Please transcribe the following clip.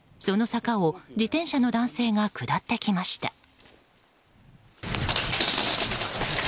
その坂を自転車の男性が下ってきました。